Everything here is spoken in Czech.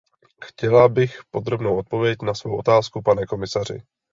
Chtěla bych podrobnou odpověď na svou otázku, pane komisaři.